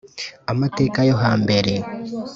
Amateka yo hambere